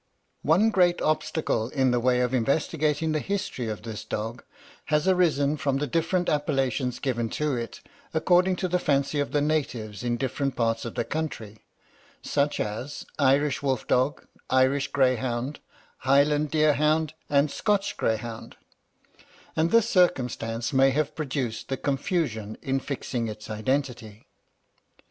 One great obstacle in the way of investigating the history of this dog has arisen from the different appellations given to it, according to the fancy of the natives in different parts of the country, such as Irish wolf dog, Irish greyhound, Highland deer hound, and Scotch greyhound, and this circumstance may have produced the confusion in fixing its identity.